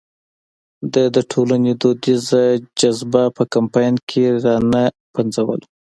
ده د ټولنې دودیزه جذبه په کمپاین کې را نه پنځوله.